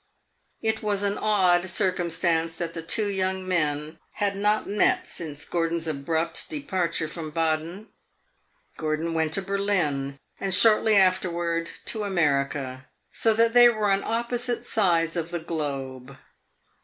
It was an odd circumstance that the two young men had not met since Gordon's abrupt departure from Baden. Gordon went to Berlin, and shortly afterward to America, so that they were on opposite sides of the globe.